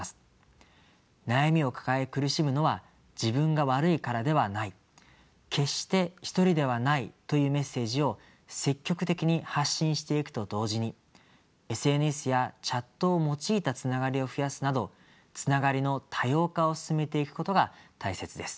悩みを抱え苦しむのは自分が悪いからではない決して一人ではないというメッセージを積極的に発信していくと同時にＳＮＳやチャットを用いたつながりを増やすなどつながりの多様化を進めていくことが大切です。